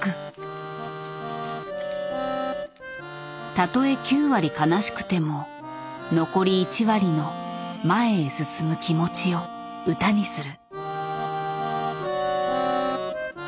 たとえ９割悲しくても残り１割の前へ進む気持ちを歌にする。